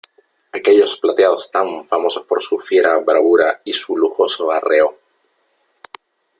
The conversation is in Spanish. ¡ aquellos plateados tan famosos por su fiera bravura y su lujoso arreo !